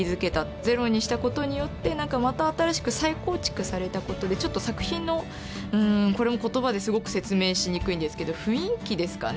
ゼロにしたことによってまた新しく再構築されたことでちょっと作品のうんこれも言葉ですごく説明しにくいんですけど雰囲気ですかね。